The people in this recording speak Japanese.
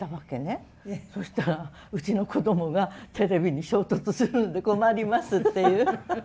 そしたら「うちのこどもがテレビに衝突するんで困ります」っていう。